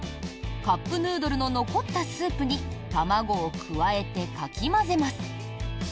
カップヌードルの残ったスープに卵を加えてかき混ぜます。